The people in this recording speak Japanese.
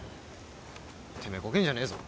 てめえこけんじゃねえぞ。